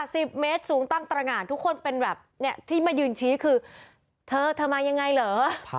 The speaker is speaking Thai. สิบเมตรสูงตั้งตรงานทุกคนเป็นแบบเนี้ยที่มายืนชี้คือเธอเธอมายังไงเหรอ